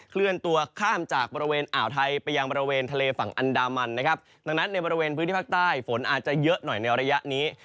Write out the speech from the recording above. เคลื่อนตัวข้ามจากบริเวณอ่าวไทยไปยังบริเวณทะเลฝั่งอันดามันนะครับดังนั้นในบริเวณพื้นที่ภาคใต้ฝนอาจจะเยอะหน่อยในระยะนี้